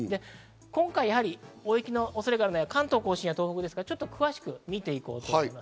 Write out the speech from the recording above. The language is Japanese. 今回、やはり大雪の恐れがあるのは関東甲信や東北ですが、詳しく見て行こうと思います。